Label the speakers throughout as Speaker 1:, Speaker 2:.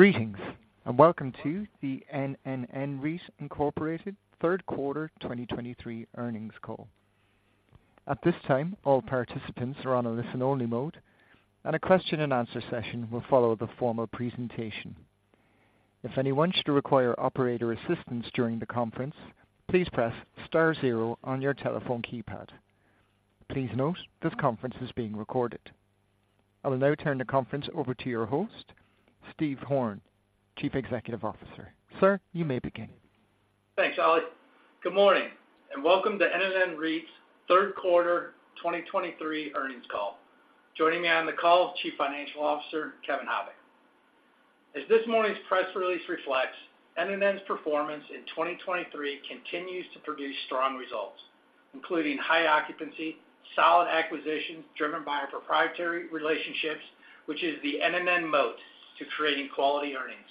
Speaker 1: Greetings, and welcome to the NNN REIT Incorporated Third Quarter 2023 earnings call. At this time, all participants are on a listen-only mode, and a question-and-answer session will follow the formal presentation. If anyone should require operator assistance during the conference, please press star zero on your telephone keypad. Please note, this conference is being recorded. I will now turn the conference over to your host, Steve Horn, Chief Executive Officer. Sir, you may begin.
Speaker 2: Thanks, Ali. Good morning, and welcome to NNN REIT's third quarter 2023 earnings call. Joining me on the call, Chief Financial Officer Kevin Habicht. As this morning's press release reflects, NNN's performance in 2023 continues to produce strong results, including high occupancy, solid acquisitions driven by our proprietary relationships, which is the NNN moat to creating quality earnings.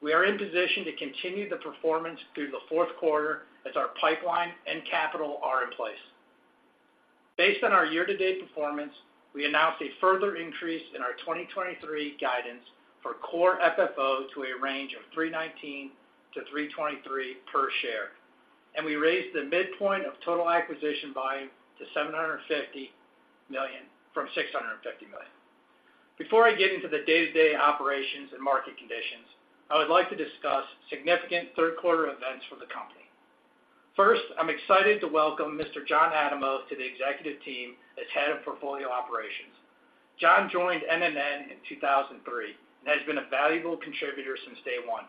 Speaker 2: We are in position to continue the performance through the fourth quarter as our pipeline and capital are in place. Based on our year-to-date performance, we announced a further increase in our 2023 guidance for core FFO to a range of $3.19-$3.23 per share, and we raised the midpoint of total acquisition volume to $750 million from $650 million.
Speaker 3: Before I get into the day-to-day operations and market conditions, I would like to discuss significant third quarter events for the company. First, I'm excited to welcome Mr. Jon Adamo to the executive team as Head of Portfolio Operations. Jon joined NNN in 2003, and has been a valuable contributor since day one.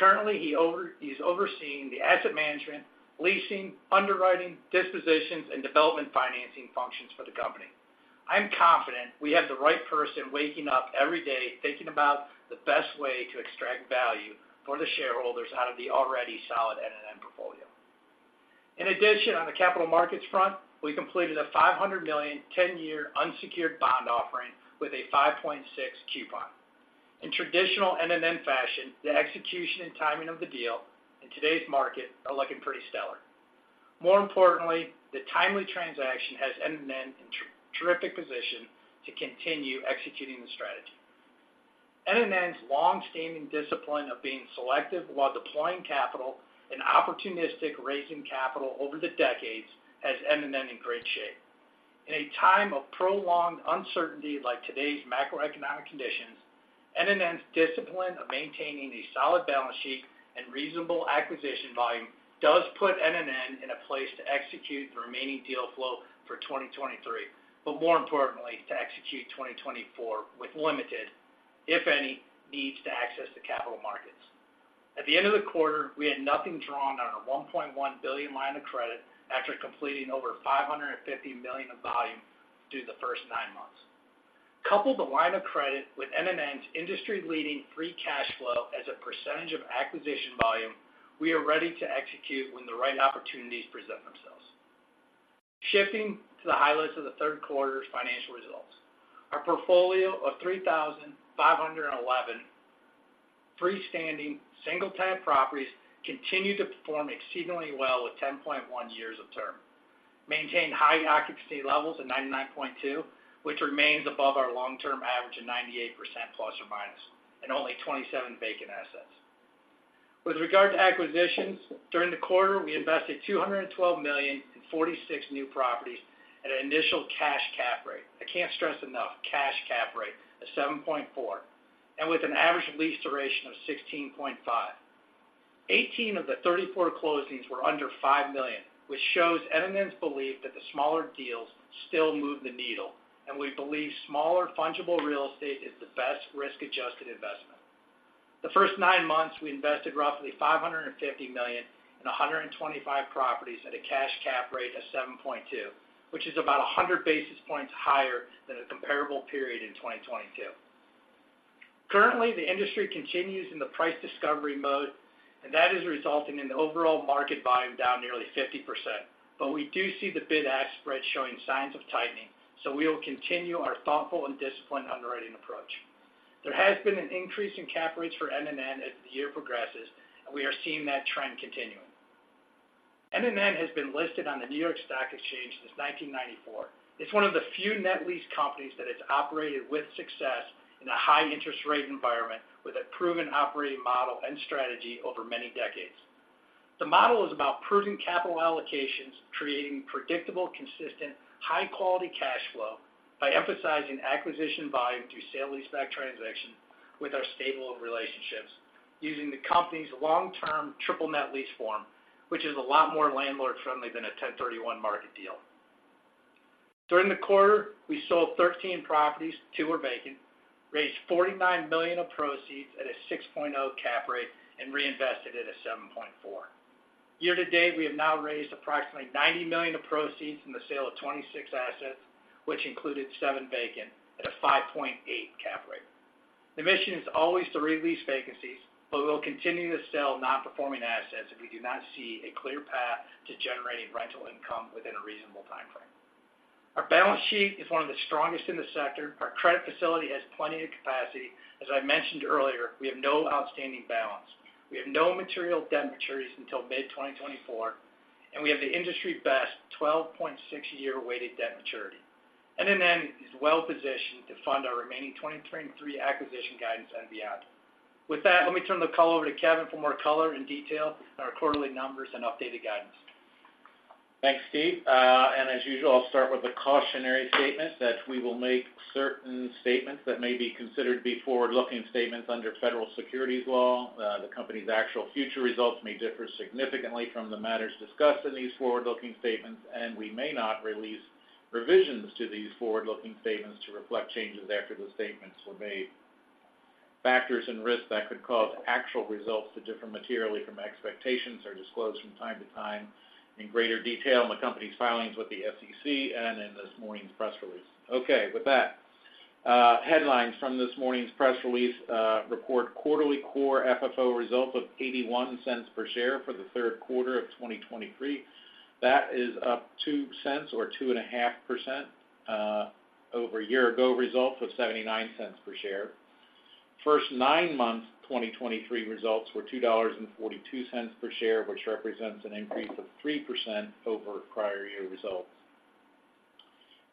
Speaker 3: Currently, he's overseeing the asset management, leasing, underwriting, dispositions, and development financing functions for the company. I'm confident we have the right person waking up every day thinking about the best way to extract value for the shareholders out of the already solid NNN portfolio. In addition, on the capital markets front, we completed a $500 million, 10-year unsecured bond offering with a 5.6% coupon. In traditional NNN fashion, the execution and timing of the deal in today's market are looking pretty stellar.
Speaker 2: More importantly, the timely transaction has NNN in terrific position to continue executing the strategy. NNN's long-standing discipline of being selective while deploying capital and opportunistic raising capital over the decades has NNN in great shape. In a time of prolonged uncertainty, like today's macroeconomic conditions, NNN's discipline of maintaining a solid balance sheet and reasonable acquisition volume does put NNN in a place to execute the remaining deal flow for 2023, but more importantly, to execute 2024 with limited, if any, needs to access the capital markets. At the end of the quarter, we had nothing drawn on our $1.1 billion line of credit after completing over $550 million of volume through the first nine months. Couple the line of credit with NNN's industry-leading free cash flow as a percentage of acquisition volume, we are ready to execute when the right opportunities present themselves. Shifting to the highlights of the third quarter's financial results. Our portfolio of 3,511 freestanding, single-tenant properties continued to perform exceedingly well with 10.1 years of term, maintained high occupancy levels of 99.2, which remains above our long-term average of 98% plus or minus, and only 27 vacant assets. With regard to acquisitions, during the quarter, we invested $212 million in 46 new properties at an initial cash cap rate. I can't stress enough, cash cap rate of 7.4, and with an average lease duration of 16.5. 18 of the 34 closings were under $5 million, which shows NNN's belief that the smaller deals still move the needle, and we believe smaller, fungible real estate is the best risk-adjusted investment. The first nine months, we invested roughly $550 million in 125 properties at a cash cap rate of 7.2, which is about 100 basis points higher than a comparable period in 2022. Currently, the industry continues in the price discovery mode, and that is resulting in the overall market volume down nearly 50%. But we do see the bid-ask spread showing signs of tightening, so we will continue our thoughtful and disciplined underwriting approach. There has been an increase in cap rates for NNN as the year progresses, and we are seeing that trend continuing. NNN has been listed on the New York Stock Exchange since 1994. It's one of the few net lease companies that has operated with success in a high interest rate environment, with a proven operating model and strategy over many decades. The model is about prudent capital allocations, creating predictable, consistent, high-quality cash flow by emphasizing acquisition volume through sale leaseback transactions with our stable of relationships, using the company's long-term triple net lease form, which is a lot more landlord-friendly than a 1031 market deal. During the quarter, we sold 13 properties, two were vacant, raised $49 million of proceeds at a 6.0 cap rate, and reinvested it at 7.4. Year to date, we have now raised approximately $90 million of proceeds from the sale of 26 assets, which included seven vacant at a 5.8 cap rate. The mission is always to release vacancies, but we will continue to sell non-performing assets if we do not see a clear path to generating rental income within a reasonable timeframe. Our balance sheet is one of the strongest in the sector. Our credit facility has plenty of capacity. As I mentioned earlier, we have no outstanding balance. We have no material debt maturities until mid-2024, and we have the industry best 12.6-year weighted debt maturity.... NNN is well-positioned to fund our remaining 2023 acquisition guidance and beyond. With that, let me turn the call over to Kevin for more color and detail on our quarterly numbers and updated guidance.
Speaker 3: Thanks, Steve. And as usual, I'll start with a cautionary statement that we will make certain statements that may be considered to be forward-looking statements under federal securities law. The company's actual future results may differ significantly from the matters discussed in these forward-looking statements, and we may not release revisions to these forward-looking statements to reflect changes after the statements were made. Factors and risks that could cause actual results to differ materially from expectations are disclosed from time to time in greater detail in the company's filings with the SEC and in this morning's press release. Okay, with that, headlines from this morning's press release report quarterly Core FFO results of $0.81 per share for the third quarter of 2023. That is up $0.02 or 2.5%, over a year ago, results of $0.79 per share. First nine months, 2023 results were $2.42 per share, which represents an increase of 3% over prior year results.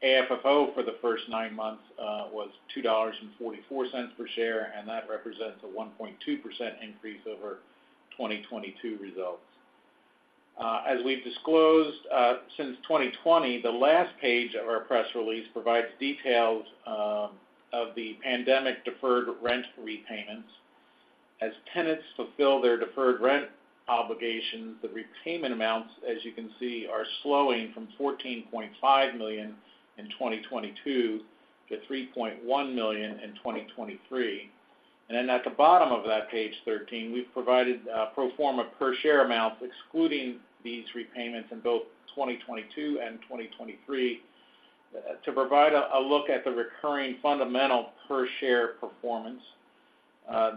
Speaker 3: AFFO for the first nine months was $2.44 per share, and that represents a 1.2% increase over 2022 results. As we've disclosed, since 2020, the last page of our press release provides details of the pandemic deferred rent repayments. As tenants fulfill their deferred rent obligations, the repayment amounts, as you can see, are slowing from $14.5 million in 2022 to $3.1 million in 2023. Then at the bottom of that page 13, we've provided pro forma per share amounts, excluding these repayments in both 2022 and 2023, to provide a look at the recurring fundamental per share performance.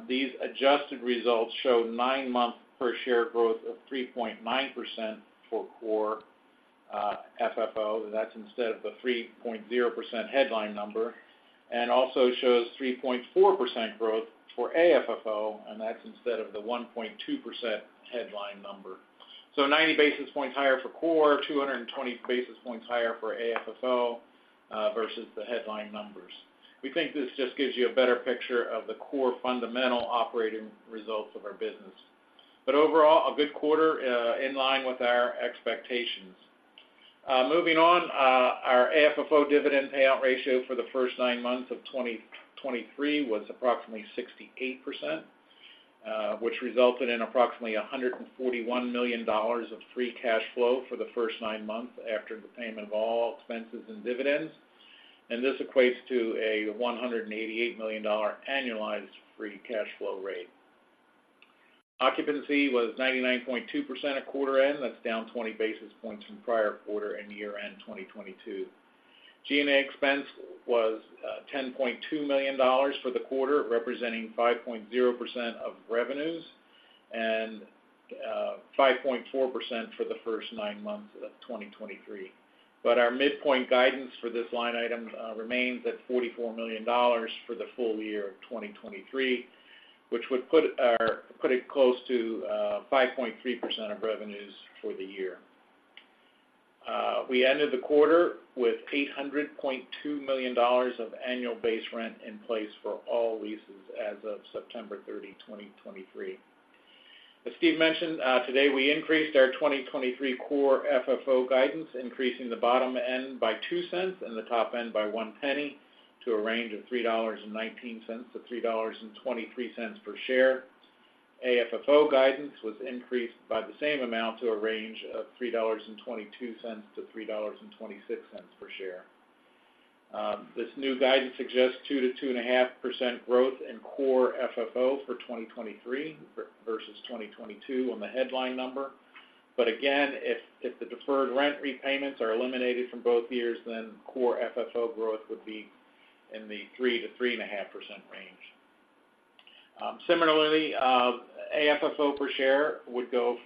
Speaker 3: These adjusted results show nine-month per share growth of 3.9% for core FFO. That's instead of the 3.0% headline number, and also shows 3.4% growth for AFFO, and that's instead of the 1.2% headline number. So 90 basis points higher for core, 220 basis points higher for AFFO, versus the headline numbers. We think this just gives you a better picture of the core fundamental operating results of our business. But overall, a good quarter, in line with our expectations. Moving on, our AFFO dividend payout ratio for the first nine months of 2023 was approximately 68%, which resulted in approximately $141 million of free cash flow for the first nine months after the payment of all expenses and dividends. This equates to a $188 million annualized free cash flow rate. Occupancy was 99.2% at quarter end. That's down 20 basis points from prior quarter and year-end 2022. G&A expense was $10.2 million for the quarter, representing 5.0% of revenues and 5.4% for the first nine months of 2023. But our midpoint guidance for this line item remains at $44 million for the full year of 2023, which would put it close to 5.3% of revenues for the year. We ended the quarter with $800.2 million of annual base rent in place for all leases as of September 30, 2023. As Steve mentioned, today, we increased our 2023 core FFO guidance, increasing the bottom end by two cents and the top end by one cent to a range of $3.19-$3.23 per share. AFFO guidance was increased by the same amount to a range of $3.22-$3.26 per share. This new guidance suggests 2%-2.5% growth in core FFO for 2023 versus 2022 on the headline number. But again, if the deferred rent repayments are eliminated from both years, then core FFO growth would be in the 3%-3.5% range. Similarly, AFFO per share would go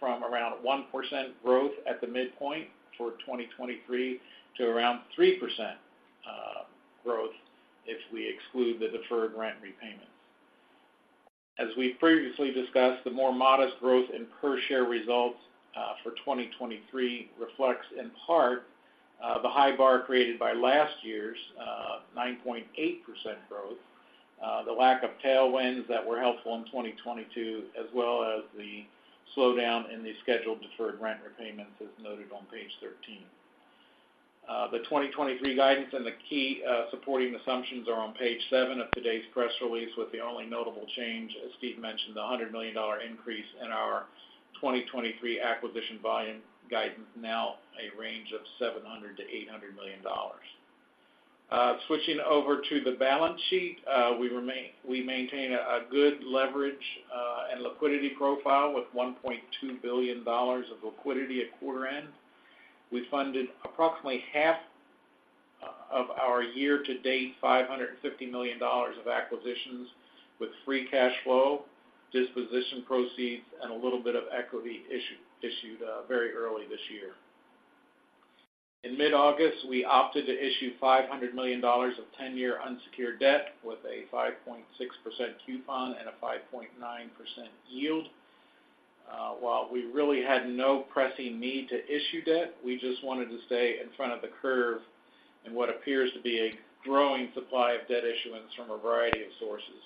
Speaker 3: from around 1% growth at the midpoint for 2023 to around 3% growth, if we exclude the deferred rent repayments. As we previously discussed, the more modest growth in per share results for 2023 reflects, in part, the high bar created by last year's 9.8% growth, the lack of tailwinds that were helpful in 2022, as well as the slowdown in the scheduled deferred rent repayments, as noted on page 13. The 2023 guidance and the key supporting assumptions are on page seven of today's press release, with the only notable change, as Steve mentioned, the $100 million increase in our 2023 acquisition volume guidance, now a range of $700 million-$800 million. Switching over to the balance sheet, we maintain a good leverage and liquidity profile, with $1.2 billion of liquidity at quarter end. We funded approximately half of our year-to-date $550 million of acquisitions with free cash flow, disposition proceeds, and a little bit of equity issued very early this year. In mid-August, we opted to issue $500 million of 10-year unsecured debt with a 5.6% coupon and a 5.9% yield. While we really had no pressing need to issue debt, we just wanted to stay in front of the curve in what appears to be a growing supply of debt issuance from a variety of sources.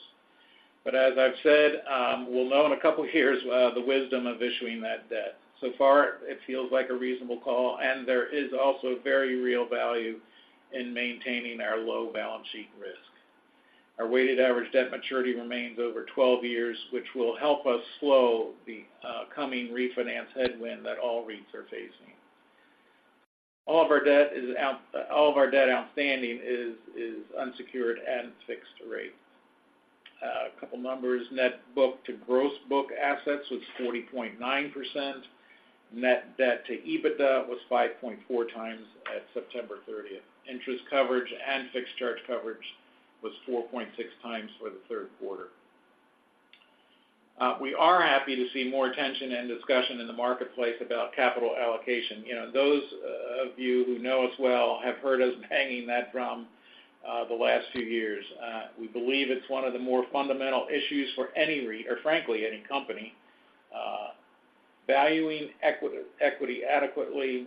Speaker 3: But as I've said, we'll know in a couple of years, the wisdom of issuing that debt. So far, it feels like a reasonable call, and there is also very real value in maintaining our low balance sheet risk. Our weighted average debt maturity remains over 12 years, which will help us slow the coming refinance headwind that all REITs are facing. All of our debt outstanding is unsecured and fixed rate. A couple of numbers. Net book to gross book assets was 40.9%. Net debt to EBITDA was 5.4 times at September 30th. Interest coverage and fixed charge coverage was 4.6 times for the third quarter. We are happy to see more attention and discussion in the marketplace about capital allocation. You know, those of you who know us well have heard us banging that drum the last few years. We believe it's one of the more fundamental issues for any REIT, or frankly, any company. Valuing equity, equity adequately,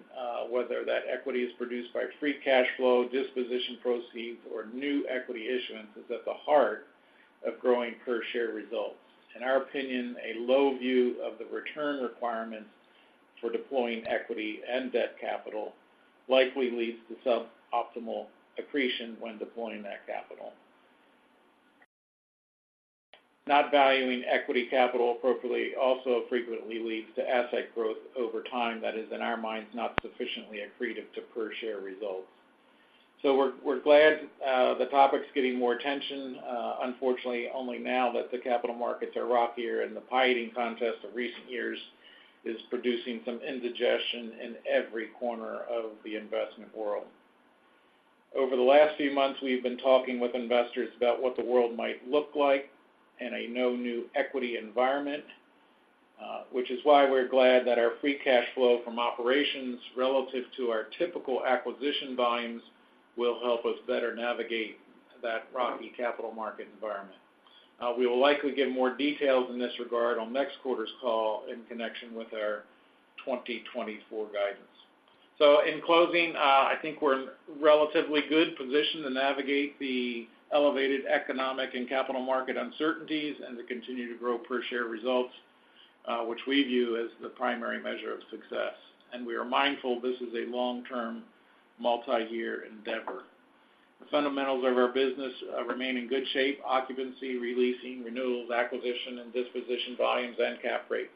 Speaker 3: whether that equity is produced by free cash flow, disposition proceeds, or new equity issuance, is at the heart of growing per share results. In our opinion, a low view of the return requirements for deploying equity and debt capital likely leads to suboptimal accretion when deploying that capital. Not valuing equity capital appropriately also frequently leads to asset growth over time, that is, in our minds, not sufficiently accretive to per share results. So we're, we're glad, the topic's getting more attention, unfortunately, only now that the capital markets are rockier and the pie eating contest of recent years is producing some indigestion in every corner of the investment world. Over the last few months, we've been talking with investors about what the world might look like in a no new equity environment, which is why we're glad that our free cash flow from operations relative to our typical acquisition volumes will help us better navigate that rocky capital market environment. We will likely give more details in this regard on next quarter's call in connection with our 2024 guidance. So in closing, I think we're in relatively good position to navigate the elevated economic and capital market uncertainties and to continue to grow per share results, which we view as the primary measure of success. We are mindful this is a long-term, multi-year endeavor. The fundamentals of our business remain in good shape, occupancy, releasing, renewals, acquisition and disposition volumes, and cap rates.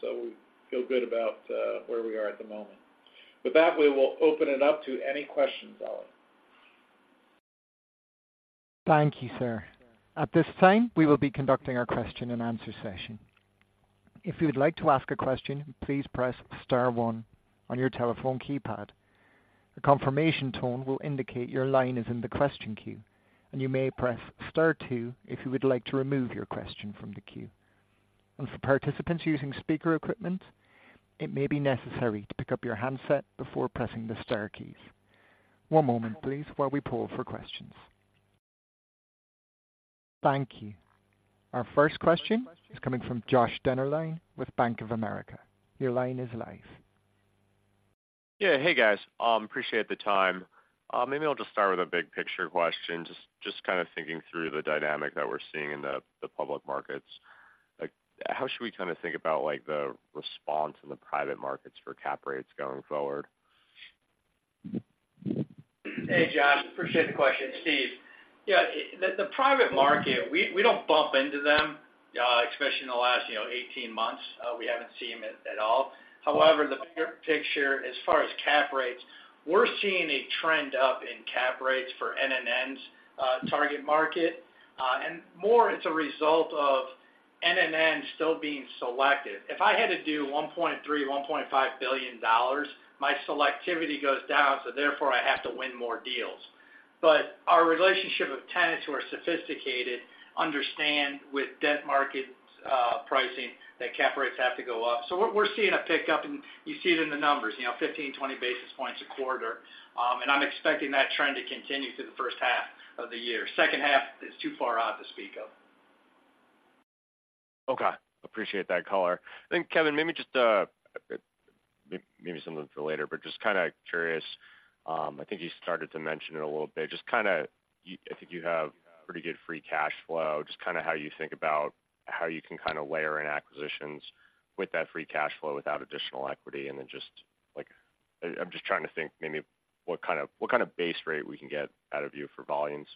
Speaker 3: So we feel good about where we are at the moment. With that, we will open it up to any questions, Ali.
Speaker 1: Thank you, sir. At this time, we will be conducting our question-and-answer session. If you would like to ask a question, please press star one on your telephone keypad. A confirmation tone will indicate your line is in the question queue, and you may press star two if you would like to remove your question from the queue. As for participants using speaker equipment, it may be necessary to pick up your handset before pressing the star keys. One moment, please, while we pull for questions. Thank you. Our first question is coming from Josh Dennerlein with Bank of America. Your line is live.
Speaker 4: Yeah. Hey, guys, appreciate the time. Maybe I'll just start with a big picture question. Just kind of thinking through the dynamic that we're seeing in the public markets. Like, how should we kind of think about, like, the response in the private markets for cap rates going forward?
Speaker 2: Hey, Josh, appreciate the question. Steve. Yeah, the private market, we don't bump into them, especially in the last, you know, 18 months, we haven't seen them at all. However, the bigger picture, as far as cap rates, we're seeing a trend up in cap rates for NNN's target market, and more it's a result of NNN still being selected. If I had to do $1.3 billion-$1.5 billion, my selectivity goes down, so therefore, I have to win more deals. But our relationship with tenants who are sophisticated, understand with debt markets, pricing, that cap rates have to go up. So we're seeing a pickup, and you see it in the numbers, you know, 15, 20 basis points a quarter. And I'm expecting that trend to continue through the first half of the year. Second half is too far out to speak of.
Speaker 4: Okay, appreciate that color. I think, Kevin, maybe just, maybe something for later, but just kind of curious. I think you started to mention it a little bit. Just kind of, I think you have pretty good free cash flow. Just kind of how you think about how you can kind of layer in acquisitions with that free cash flow without additional equity, and then just like... I'm just trying to think maybe what kind of, what kind of base rate we can get out of you for volumes.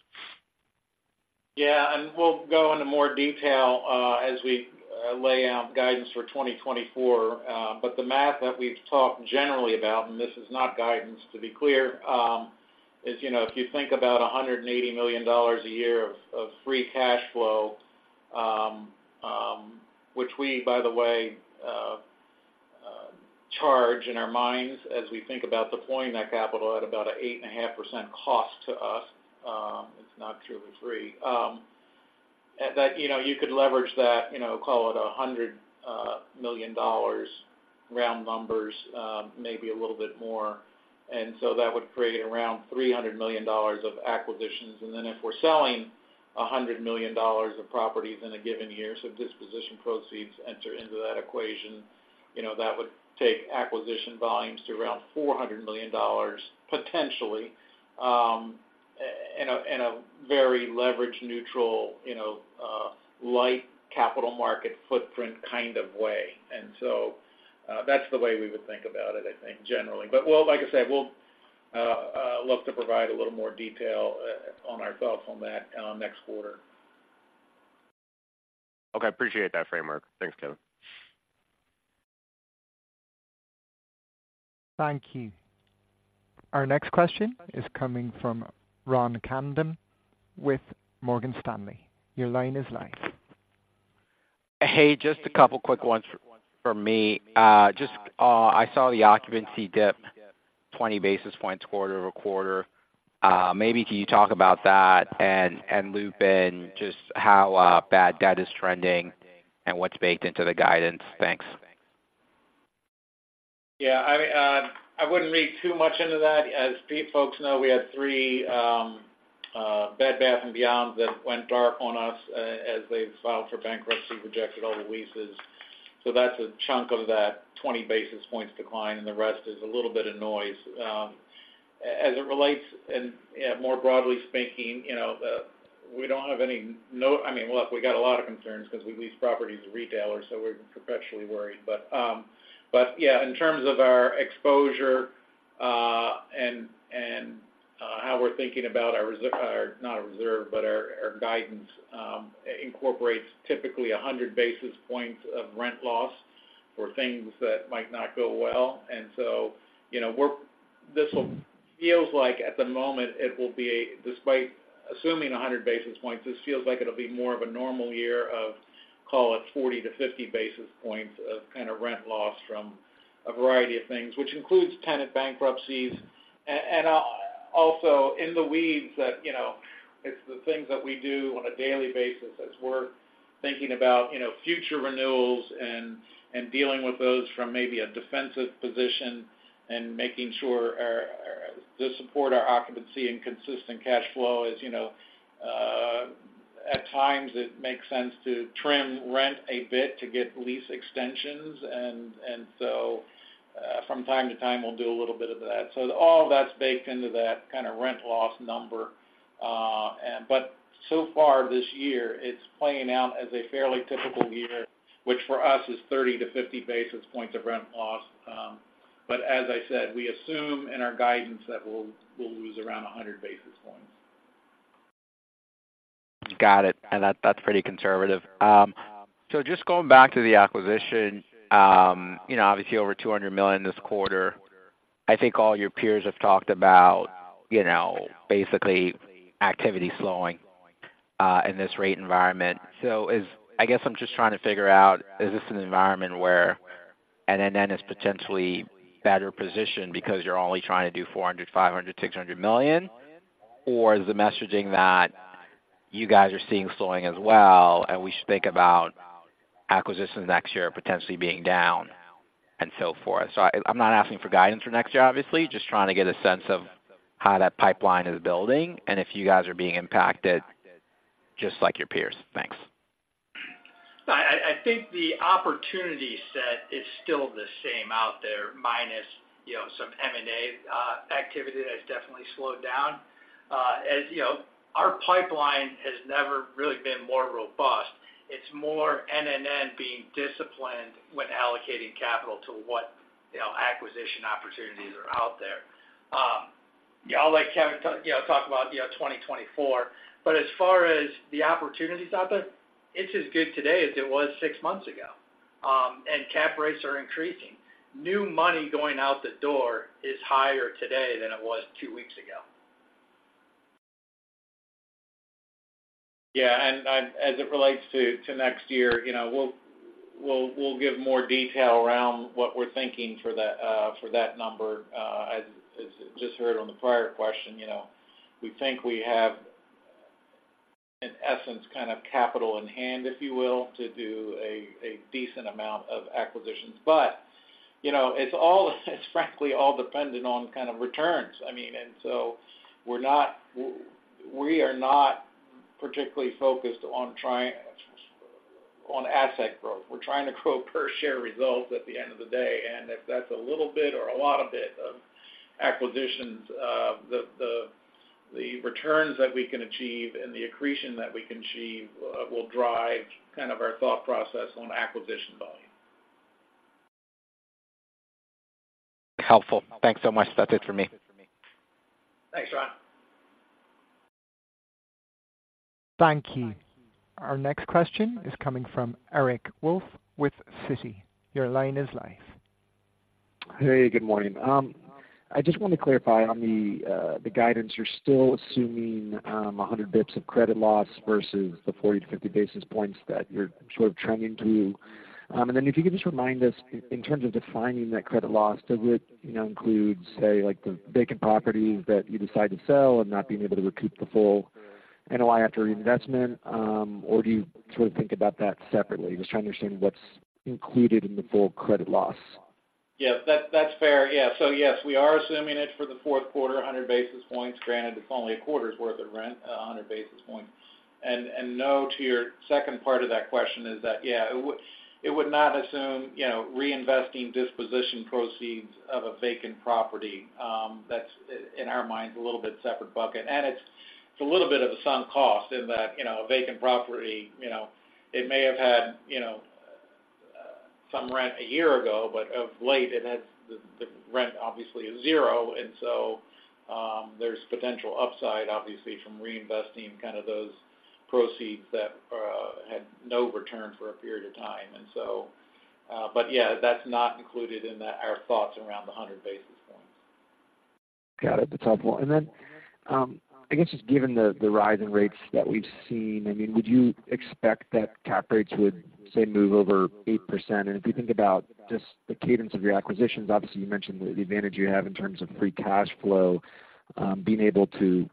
Speaker 3: Yeah, and we'll go into more detail as we lay out guidance for 2024. But the math that we've talked generally about, and this is not guidance, to be clear, is, you know, if you think about $180 million a year of free cash flow, which we, by the way, charge in our minds as we think about deploying that capital at about an 8.5% cost to us, it's not truly free. That, you know, you could leverage that, you know, call it $100 million dollars.... round numbers, maybe a little bit more. And so that would create around $300 million of acquisitions. And then if we're selling $100 million of properties in a given year, so disposition proceeds enter into that equation, you know, that would take acquisition volumes to around $400 million, potentially, in a very leverage neutral, you know, light capital market footprint kind of way. And so, that's the way we would think about it, I think, generally. But, well, like I said, we'll look to provide a little more detail on our thoughts on that, next quarter.
Speaker 4: Okay, appreciate that framework. Thanks, Kevin.
Speaker 1: Thank you. Our next question is coming from Ron Kamdem with Morgan Stanley. Your line is live.
Speaker 5: Hey, just a couple quick ones from me. Just, I saw the occupancy dip 20 basis points quarter-over-quarter. Maybe can you talk about that and loop in just how bad debt is trending and what's baked into the guidance? Thanks.
Speaker 3: Yeah, I, I wouldn't read too much into that. As folks know, we had three Bed Bath & Beyond that went dark on us, as they filed for bankruptcy, rejected all the leases. So that's a chunk of that 20 basis points decline, and the rest is a little bit of noise. As it relates, and, yeah, more broadly speaking, you know, we don't have any I mean, look, we got a lot of concerns because we lease properties to retailers, so we're perpetually worried. But, but yeah, in terms of our exposure, and, and, how we're thinking about our, not our reserve, but our, our guidance, incorporates typically 100 basis points of rent loss for things that might not go well. And so, you know, this feels like at the moment, it will be a despite assuming 100 basis points, this feels like it'll be more of a normal year of, call it, 40-50 basis points of kind of rent loss from a variety of things, which includes tenant bankruptcies. And also in the weeds that, you know, it's the things that we do on a daily basis as we're thinking about, you know, future renewals and dealing with those from maybe a defensive position and making sure our to support our occupancy and consistent cash flow is, you know, at times it makes sense to trim rent a bit to get lease extensions. And so, from time to time, we'll do a little bit of that. So all of that's baked into that kind of rent loss number. So far this year, it's playing out as a fairly typical year, which for us is 30-50 basis points of rent loss. But as I said, we assume in our guidance that we'll lose around 100 basis points.
Speaker 5: Got it. And that's, that's pretty conservative. So just going back to the acquisition, you know, obviously over $200 million this quarter, I think all your peers have talked about, you know, basically activity slowing in this rate environment. So I guess I'm just trying to figure out, is this an environment where NNN is potentially better positioned because you're only trying to do $400 million-$600 million? Or is the messaging that you guys are seeing slowing as well, and we should think about acquisitions next year potentially being down and so forth? So I'm not asking for guidance for next year, obviously, just trying to get a sense of how that pipeline is building and if you guys are being impacted just like your peers. Thanks.
Speaker 2: I think the opportunity set is still the same out there, minus, you know, some M&A activity that has definitely slowed down. As you know, our pipeline has never really been more robust. It's more NNN being disciplined when allocating capital to what, you know, acquisition opportunities are out there. Yeah, I'll let Kevin you know, talk about, you know, 2024, but as far as the opportunities out there, it's as good today as it was six months ago, and cap rates are increasing. New money going out the door is higher today than it was two weeks ago.
Speaker 3: Yeah, and as it relates to next year, you know, we'll give more detail around what we're thinking for that number. As just heard on the prior question, you know, we have, in essence, kind of capital in hand, if you will, to do a decent amount of acquisitions. But, you know, it's frankly all dependent on kind of returns. I mean, and so we're not particularly focused on asset growth. We're trying to grow per share results at the end of the day, and if that's a little bit or a lot of acquisitions, the returns that we can achieve and the accretion that we can achieve will drive kind of our thought process on acquisition volume.
Speaker 5: Helpful. Thanks so much. That's it for me.
Speaker 2: Thanks, Ron.
Speaker 1: Thank you. Our next question is coming from Eric Wolfe with Citi. Your line is live.
Speaker 6: Hey, good morning. I just want to clarify on the guidance. You're still assuming 100 basis points of credit loss versus the 40-50 basis points that you're sort of trending to. And then if you could just remind us, in terms of defining that credit loss, does it, you know, include, say, like, the vacant properties that you decide to sell and not being able to recoup the full NOI after reinvestment, or do you sort of think about that separately? Just trying to understand what's included in the full credit loss.
Speaker 2: Yeah, that's, that's fair. Yeah. So yes, we are assuming it for the fourth quarter, 100 basis points. Granted, it's only a quarter's worth of rent, 100 basis points. And no, to your second part of that question is that, yeah, it would, it would not assume, you know, reinvesting disposition proceeds of a vacant property. That's, in our minds, a little bit separate bucket. And it's, it's a little bit of a sunk cost in that, you know, a vacant property, you know, it may have had, you know, some rent a year ago, but of late it has the rent obviously is zero. And so, there's potential upside, obviously, from reinvesting kind of those proceeds that had no return for a period of time. But yeah, that's not included in our thoughts around the 100 basis points.
Speaker 6: Got it. That's helpful. And then, I guess, just given the rise in rates that we've seen, I mean, would you expect that cap rates would, say, move over 8%? And if you think about just the cadence of your acquisitions, obviously, you mentioned the advantage you have in terms of free cash flow, being able to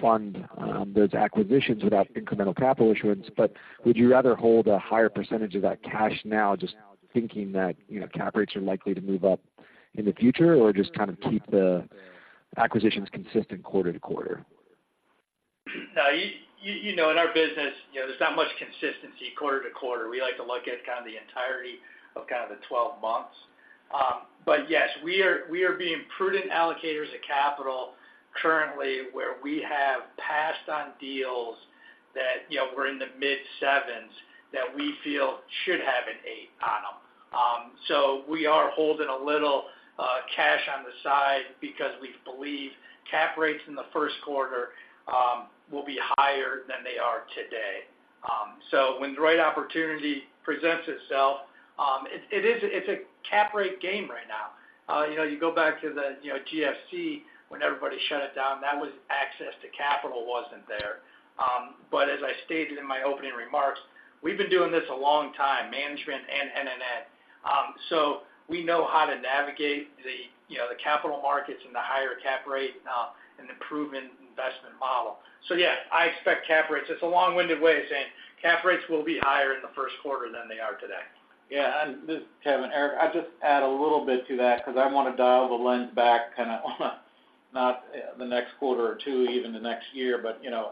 Speaker 6: fund those acquisitions without incremental capital issuance. But would you rather hold a higher percentage of that cash now, just thinking that, you know, cap rates are likely to move up in the future, or just kind of keep the acquisitions consistent quarter to quarter?
Speaker 2: Now, you know, in our business, you know, there's not much consistency quarter to quarter. We like to look at kind of the entirety of kind of the 12 months. But yes, we are being prudent allocators of capital currently, where we have passed on deals that, you know, were in the mid-sevens, that we feel should have an eight on them. So we are holding a little cash on the side because we believe cap rates in the first quarter will be higher than they are today. So when the right opportunity presents itself, it is. It's a cap rate game right now. You know, you go back to the, you know, GFC, when everybody shut it down, that was access to capital wasn't there. But as I stated in my opening remarks, we've been doing this a long time, management and NNN. So we know how to navigate the, you know, the capital markets and the higher cap rate, and the proven investment model. So yes, I expect cap rates... It's a long-winded way of saying cap rates will be higher in the first quarter than they are today.
Speaker 3: Yeah, and this is Kevin. Eric, I'll just add a little bit to that because I want to dial the lens back, kind of, not the next quarter or two, even the next year. But, you know,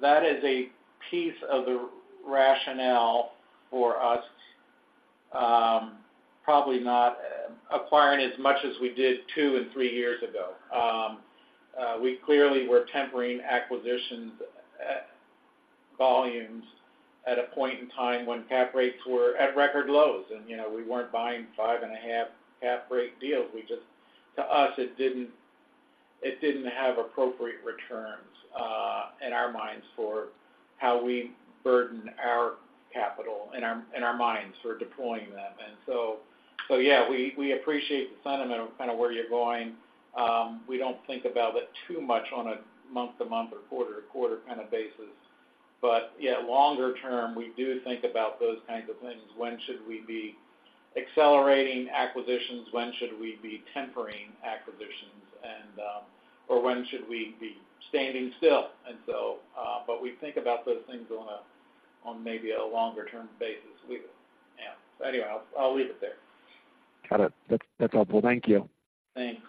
Speaker 3: that is a piece of the rationale for us, probably not acquiring as much as we did two and three years ago. We clearly were tempering acquisitions, volumes at a point in time when cap rates were at record lows, and, you know, we weren't buying 5.5 cap rate deals. We just. To us, it didn't, it didn't have appropriate returns, in our minds, for how we burden our capital, in our, in our minds, for deploying them. And so, so, yeah, we, we appreciate the sentiment of kind of where you're going. We don't think about it too much on a month-to-month or quarter-to-quarter kind of basis. But yeah, longer term, we do think about those kinds of things. When should we be accelerating acquisitions? When should we be tempering acquisitions? And, or when should we be standing still? And so, but we think about those things on a, on maybe a longer-term basis. Yeah. So anyway, I'll, I'll leave it there.
Speaker 6: Got it. That's, that's helpful. Thank you.
Speaker 3: Thanks.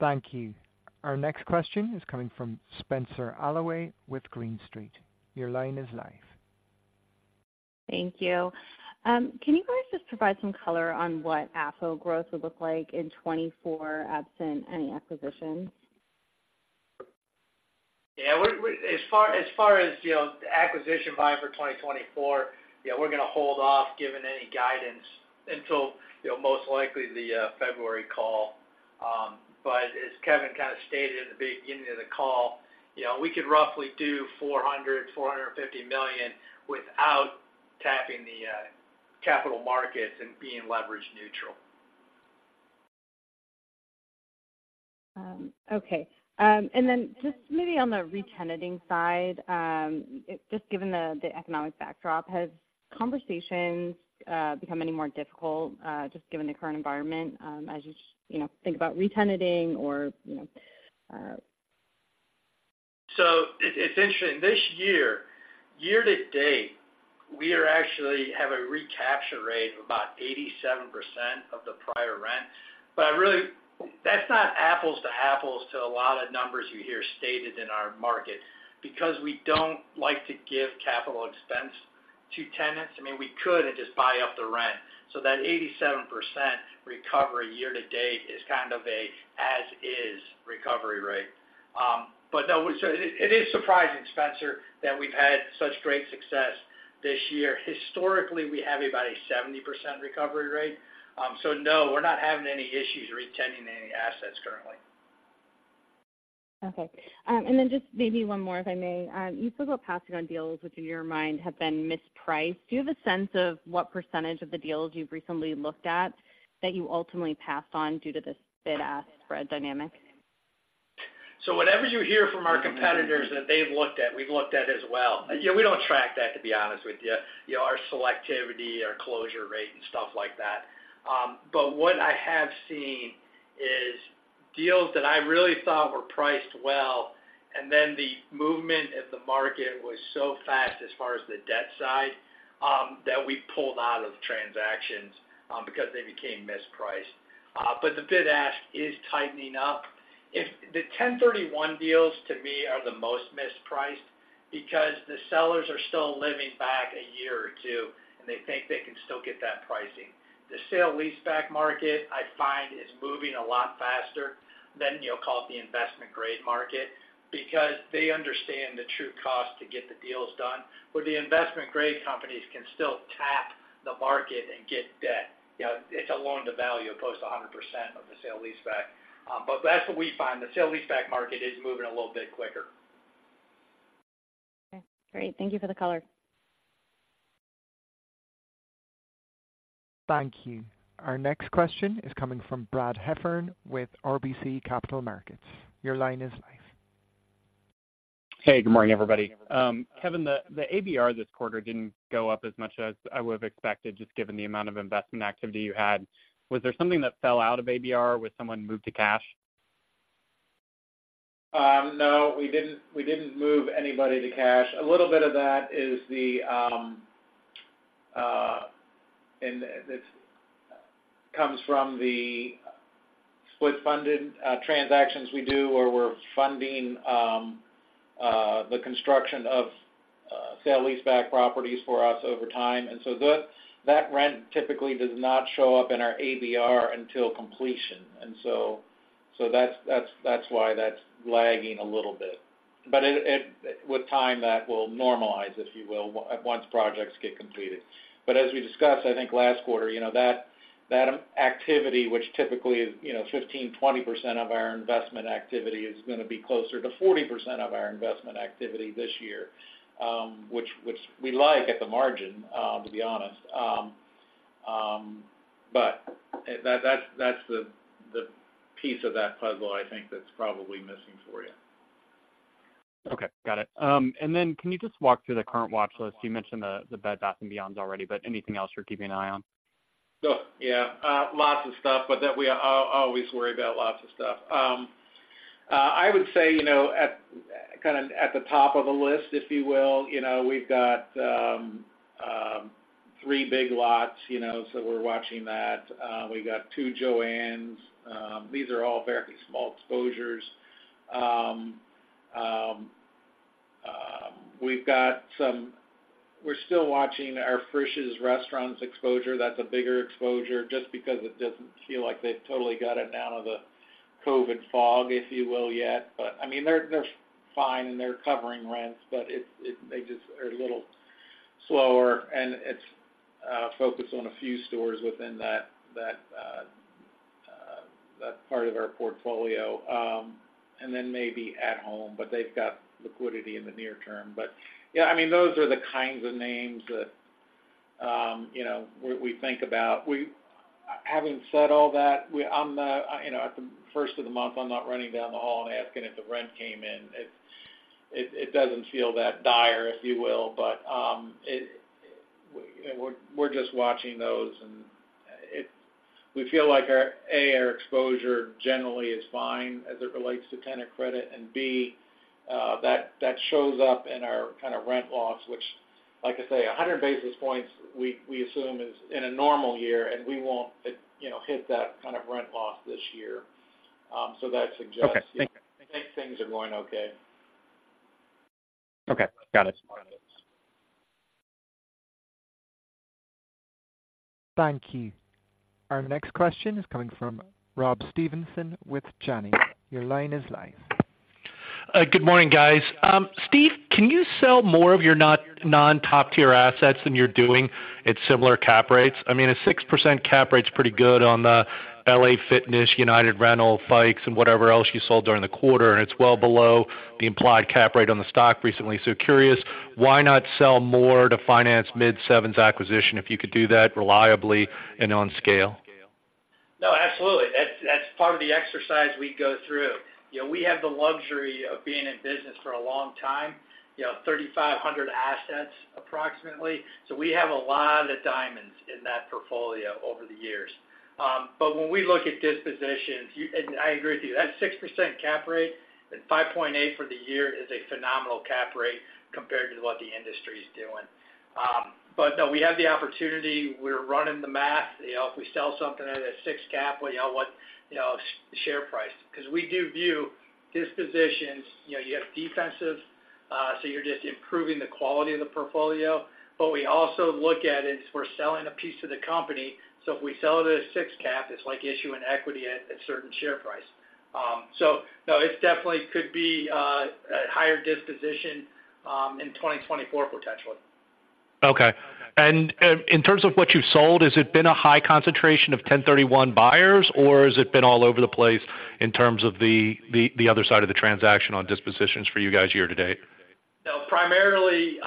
Speaker 1: Thank you. Our next question is coming from Spenser Allaway with Green Street. Your line is live.
Speaker 7: Thank you. Can you guys just provide some color on what AFFO growth would look like in 2024, absent any acquisitions?
Speaker 2: Yeah, we're as far as, you know, acquisition buying for 2024, yeah, we're gonna hold off giving any guidance until, you know, most likely the February call. But as Kevin kind of stated at the beginning of the call, you know, we could roughly do $400 million-$450 million without tapping the capital markets and being leverage neutral.
Speaker 7: Okay. And then just maybe on the re-tenanting side, just given the economic backdrop, has conversations become any more difficult, just given the current environment, as you know, think about re-tenanting or, you know...
Speaker 2: So it's interesting. This year, year to date, we are actually have a recapture rate of about 87% of the prior rent. But I really. That's not apples to apples to a lot of numbers you hear stated in our market, because we don't like to give capital expense to tenants. I mean, we could and just buy up the rent. So that 87% recovery year to date is kind of a as is recovery rate. But no, so it is surprising, Spencer, that we've had such great success this year. Historically, we have about a 70% recovery rate. So no, we're not having any issues re-tenanting any assets currently.
Speaker 7: Okay. And then just maybe one more, if I may. You spoke about passing on deals which in your mind have been mispriced. Do you have a sense of what percentage of the deals you've recently looked at, that you ultimately passed on due to this bid-ask spread dynamic?
Speaker 2: So whatever you hear from our competitors that they've looked at, we've looked at as well. Yeah, we don't track that, to be honest with you. You know, our selectivity, our closure rate, and stuff like that. But what I have seen is deals that I really thought were priced well-... Then the movement in the market was so fast as far as the debt side, that we pulled out of the transactions, because they became mispriced. But the bid-ask is tightening up. The Ten Thirty-One deals to me are the most mispriced because the sellers are still living back a year or two, and they think they can still get that pricing. The sale leaseback market, I find, is moving a lot faster than, you know, call it the investment-grade market, because they understand the true cost to get the deals done. Where the investment-grade companies can still tap the market and get debt. You know, it's a loan to value opposed to 100% of the sale leaseback. But that's what we find. The sale leaseback market is moving a little bit quicker.
Speaker 7: Okay, great. Thank you for the color.
Speaker 1: Thank you. Our next question is coming from Brad Heffern with RBC Capital Markets. Your line is live.
Speaker 8: Hey, good morning, everybody. Kevin, the ABR this quarter didn't go up as much as I would have expected, just given the amount of investment activity you had. Was there something that fell out of ABR? Was someone moved to cash?
Speaker 3: No, we didn't, we didn't move anybody to cash. A little bit of that is, and it comes from the split-funded transactions we do, where we're funding the construction of sale-leaseback properties for us over time. And so that rent typically does not show up in our ABR until completion. And so that's why that's lagging a little bit. But with time, that will normalize, if you will, once projects get completed. But as we discussed, I think last quarter, you know, that activity, which typically is, you know, 15%-20% of our investment activity, is gonna be closer to 40% of our investment activity this year, which we like at the margin, to be honest. But that's the piece of that puzzle I think that's probably missing for you.
Speaker 8: Okay, got it. And then can you just walk through the current watch list? You mentioned the Bed Bath & Beyonds already, but anything else you're keeping an eye on?
Speaker 3: Yeah, lots of stuff, but that we always worry about lots of stuff. I would say, you know, kind of at the top of the list, if you will, you know, we've got three Big Lots, you know, so we're watching that. We've got two Jo-Ann's. These are all fairly small exposures. We've got some... We're still watching our Frisch's Restaurants exposure. That's a bigger exposure just because it doesn't feel like they've totally got it out of the COVID fog, if you will, yet. But I mean, they're fine, and they're covering rents, but they just are a little slower, and it's focused on a few stores within that part of our portfolio, and then maybe at home, but they've got liquidity in the near term. But yeah, I mean, those are the kinds of names that, you know, we think about. Having said all that, I'm, you know, at the first of the month, I'm not running down the hall and asking if the rent came in. It doesn't feel that dire, if you will, but, we're just watching those, and we feel like our, A, our exposure generally is fine as it relates to tenant credit, and B, that shows up in our kind of rent loss, which, like I say, 100 basis points, we assume is in a normal year, and we won't, you know, hit that kind of rent loss this year. So that suggests-
Speaker 8: Okay, thank you.
Speaker 3: Things are going okay.
Speaker 8: Okay, got it.
Speaker 1: Thank you. Our next question is coming from Rob Stevenson with Janney. Your line is live.
Speaker 9: Good morning, guys. Steve, can you sell more of your non-top-tier assets than you're doing at similar cap rates? I mean, a 6% cap rate's pretty good on the LA Fitness, United Rentals, Fikes, and whatever else you sold during the quarter, and it's well below the implied cap rate on the stock recently. So, curious, why not sell more to finance mid-sevens acquisition if you could do that reliably and on scale?
Speaker 2: No, absolutely. That's, that's part of the exercise we go through. You know, we have the luxury of being in business for a long time, you know, 3,500 assets approximately. So we have a lot of diamonds in that portfolio over the years. But when we look at dispositions, you and I agree with you, that 6% cap rate and 5.8% for the year is a phenomenal cap rate compared to what the industry is doing. But no, we have the opportunity, we're running the math. You know, if we sell something at a six cap, well, you know what, you know, share price. Because we do view dispositions, you know, you have defensive, so you're just improving the quality of the portfolio, but we also look at it, we're selling a piece to the company, so if we sell it a six cap, it's like issuing equity at certain share price. So no, it's definitely could be a higher disposition in 2024, potentially.
Speaker 9: Okay. And in terms of what you've sold, has it been a high concentration of Ten Thirty-One buyers, or has it been all over the place in terms of the other side of the transaction on dispositions for you guys year to date?
Speaker 2: No, primarily,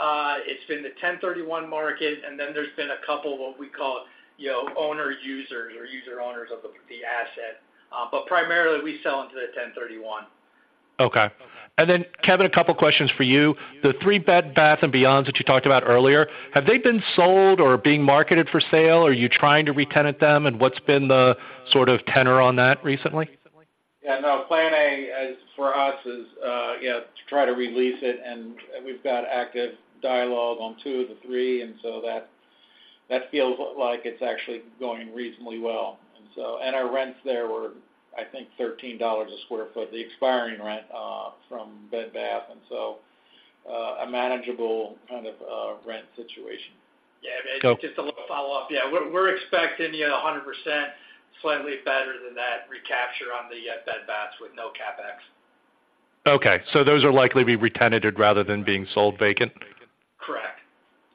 Speaker 2: it's been the Ten Thirty-One market, and then there's been a couple what we call, you know, owner-users or user-owners of the, the asset. But primarily, we sell into the Ten Thirty-One.
Speaker 9: Okay. And then, Kevin, a couple of questions for you. The three Bed Bath & Beyond that you talked about earlier, have they been sold or being marketed for sale? Are you trying to retenant them, and what's been the sort of tenor on that recently?...
Speaker 3: Yeah, no, plan A is for us, yeah, to try to release it, and we've got active dialogue on two of the three, and so that feels like it's actually going reasonably well. And our rents there were, I think, $13 a sq ft, the expiring rent from Bed Bath, and so a manageable kind of rent situation.
Speaker 9: Yeah, maybe just a little follow-up. Yeah, we're, we're expecting, you know, 100%, slightly better than that recapture on the Bed Bath & Beyond with no CapEx. Okay, so those are likely to be retenanted rather than being sold vacant?
Speaker 3: Correct.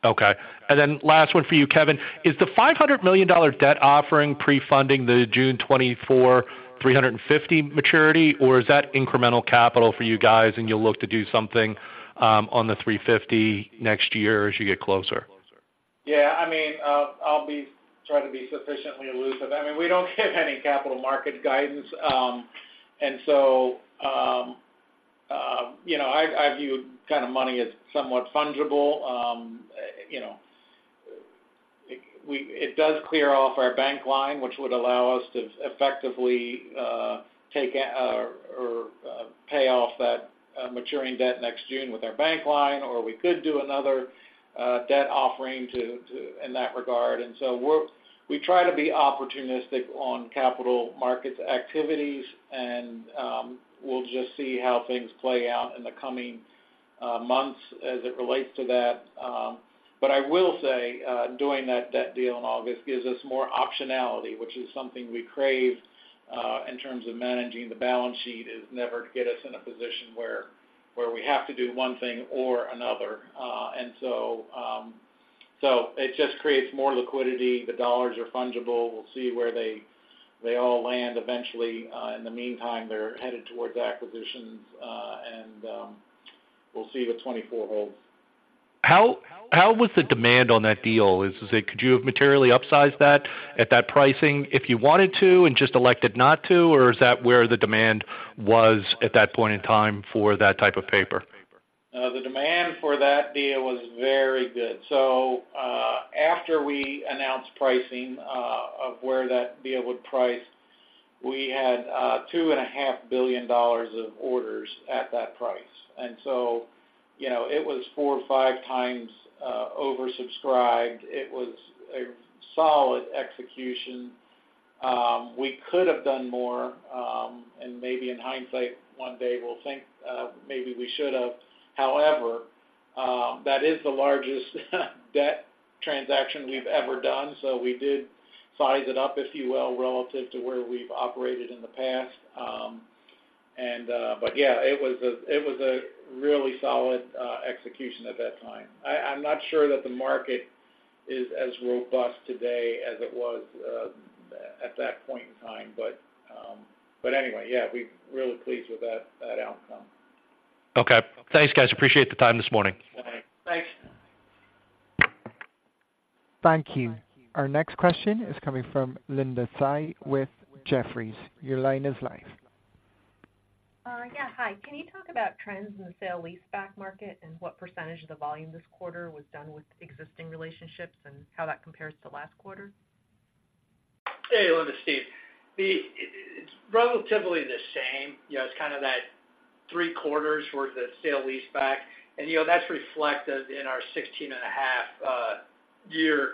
Speaker 9: Okay, and then last one for you, Kevin. Is the $500 million debt offering pre-funding the June 2024, $350 million maturity, or is that incremental capital for you guys, and you'll look to do something on the $350 next year as you get closer?
Speaker 3: Yeah, I mean, I'll be trying to be sufficiently elusive. I mean, we don't give any capital market guidance. And so, you know, I view kind of money as somewhat fungible. You know, we it does clear off our bank line, which would allow us to effectively take a or pay off that maturing debt next June with our bank line, or we could do another debt offering to in that regard. And so we try to be opportunistic on capital markets activities, and we'll just see how things play out in the coming months as it relates to that. But I will say, doing that, that deal in August gives us more optionality, which is something we crave, in terms of managing the balance sheet, is never to get us in a position where, where we have to do one thing or another. And so, so it just creates more liquidity. The dollars are fungible. We'll see where they all land eventually. In the meantime, they're headed towards acquisitions, and, we'll see the 24 holds.
Speaker 9: How was the demand on that deal? Could you have materially upsized that at that pricing if you wanted to and just elected not to, or is that where the demand was at that point in time for that type of paper?
Speaker 3: The demand for that deal was very good. So, after we announced pricing of where that deal would price, we had $2.5 billion of orders at that price. And so, you know, it was four or five times oversubscribed. It was a solid execution. We could have done more, and maybe in hindsight, one day we'll think, maybe we should have. However, that is the largest debt transaction we've ever done, so we did size it up, if you will, relative to where we've operated in the past. And, but yeah, it was a, it was a really solid execution at that time. I'm not sure that the market is as robust today as it was at that point in time, but anyway, yeah, we're really pleased with that outcome.
Speaker 9: Okay. Thanks, guys. Appreciate the time this morning.
Speaker 3: Bye.
Speaker 2: Thanks.
Speaker 1: Thank you. Our next question is coming from Linda Tsai with Jefferies. Your line is live.
Speaker 10: Yeah, hi. Can you talk about trends in the sale leaseback market and what percentage of the volume this quarter was done with existing relationships and how that compares to last quarter?
Speaker 2: Hey, Linda, it's Steve. It, it's relatively the same. You know, it's kind of that three-quarters towards the sale-leaseback, and, you know, that's reflected in our 16.5-year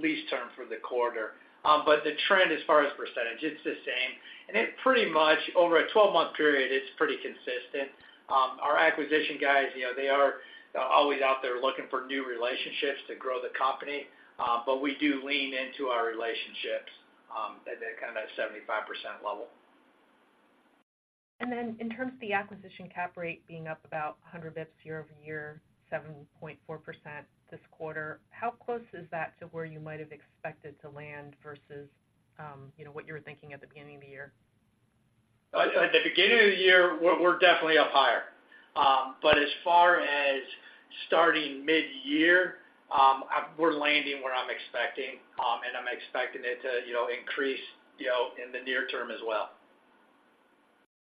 Speaker 2: lease term for the quarter. But the trend as far as percentage, it's the same, and it pretty much, over a 12-month period, it's pretty consistent. Our acquisition guys, you know, they are always out there looking for new relationships to grow the company, but we do lean into our relationships, at the kind of that 75% level.
Speaker 10: Then in terms of the acquisition cap rate being up about 100 basis points year-over-year, 7.4% this quarter, how close is that to where you might have expected to land versus, you know, what you were thinking at the beginning of the year?
Speaker 2: At the beginning of the year, we're definitely up higher. But as far as starting mid-year, we're landing where I'm expecting, and I'm expecting it to, you know, increase, you know, in the near term as well.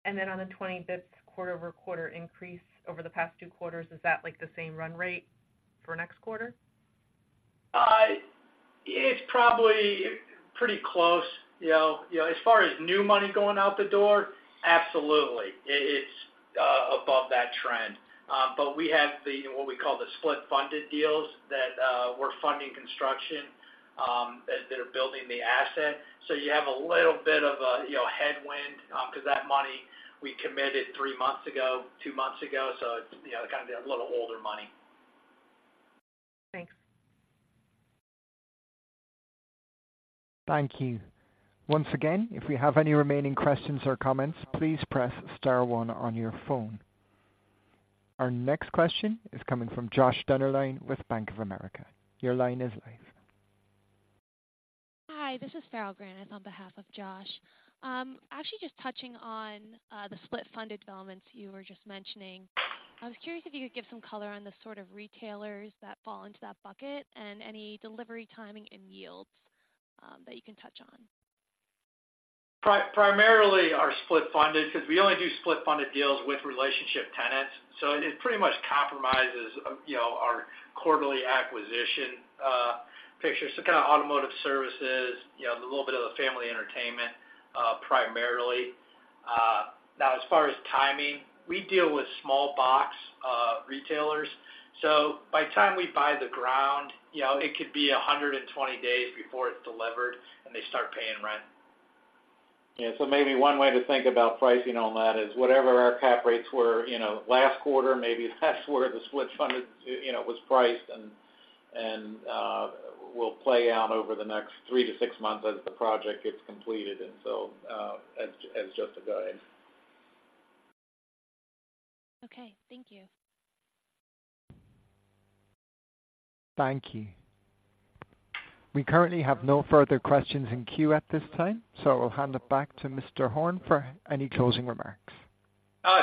Speaker 10: Then on the 20 bps quarter-over-quarter increase over the past two quarters, is that like the same run rate for next quarter?
Speaker 2: It's probably pretty close. You know, you know, as far as new money going out the door, absolutely. It's above that trend. But we have what we call the split-funded deals that we're funding construction that are building the asset. So you have a little bit of a, you know, headwind, because that money we committed three months ago, two months ago, so it's, you know, kind of a little older money.
Speaker 10: Thanks.
Speaker 1: Thank you. Once again, if you have any remaining questions or comments, please press star one on your phone. Our next question is coming from Josh Dennerlein with Bank of America. Your line is live.
Speaker 11: Hi, this is Farrell Granath on behalf of Josh. Actually, just touching on the split-funded developments you were just mentioning. I was curious if you could give some color on the sort of retailers that fall into that bucket and any delivery timing and yields that you can touch on.
Speaker 2: Primarily, our split-funded, because we only do split-funded deals with relationship tenants, so it pretty much compromises, you know, our quarterly acquisition picture. So kind of automotive services, you know, a little bit of a family entertainment, primarily. Now, as far as timing, we deal with small-box retailers, so by the time we buy the ground, you know, it could be 120 days before it's delivered and they start paying rent.
Speaker 3: Yeah, so maybe one way to think about pricing on that is whatever our cap rates were, you know, last quarter, maybe that's where the split-funded, you know, was priced, and will play out over the next three to six months as the project gets completed, and so, as just a guide.
Speaker 9: Okay, thank you.
Speaker 1: Thank you. We currently have no further questions in queue at this time, so I'll hand it back to Mr. Horn for any closing remarks.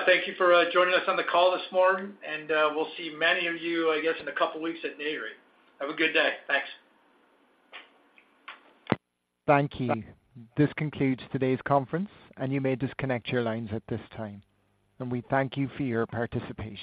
Speaker 2: Thank you for joining us on the call this morning, and we'll see many of you, I guess, in a couple of weeks at NAREIT. Have a good day. Thanks.
Speaker 1: Thank you. This concludes today's conference, and you may disconnect your lines at this time. We thank you for your participation.